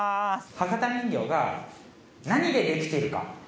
博多人形が何でできているか？